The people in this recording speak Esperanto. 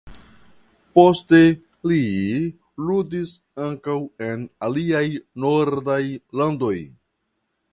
Poste li ludis ankaŭ en aliaj nordiaj landoj.